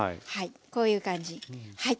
こういう感じはい。